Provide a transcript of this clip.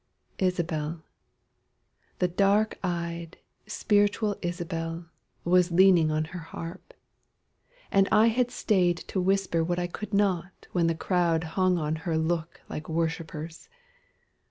Isabel, The dark eyed, spiritual Isabel Was leaning on her harp, and I had staid To whisper what I could not when the crowd Hung on her look like worshippers.